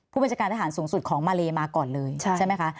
ผู้บัญชาการทหารสูงสุดของมาเลมาก่อนเลยใช่ไหมคะ